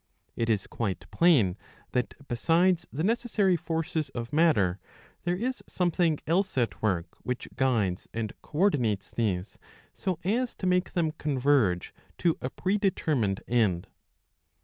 It is quite plain that besides the necessary forces of matter, there is something else at work which guides and coordinates these, so as to make them converge to a pre determined end.